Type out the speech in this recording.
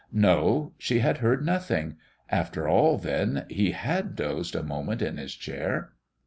No, she had heard nothing. After all, then, he had dozed a moment in his chair....